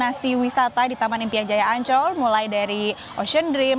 destinasi wisata di taman impian jaya ancol mulai dari ocean dream